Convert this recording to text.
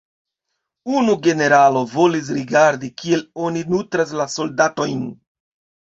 Unu generalo volis rigardi, kiel oni nutras la soldatojn.